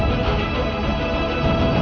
aku akan menang bu